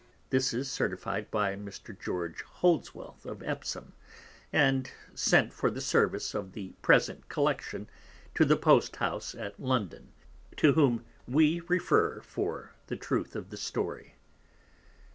This is Certified by Mr._ George Holdsworth of Epsome, and sent for the Service of the present Collection, to the Post House at London, _to whom we refer for the Truth of the Story.